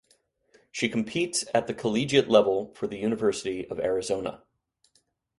She competes at the collegiate level for the University of Arizona.